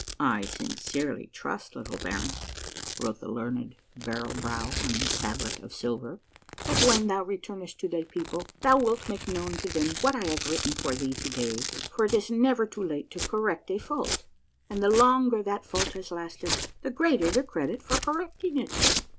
I sincerely trust, little baron," wrote the learned Barrel Brow on his tablet of silver, " that when thou returnest to thy people thou wilt make known to them what I have written for thee to day, for it is never too late to correct a fault, and the longer that fault has lasted the greater the credit for correcting it."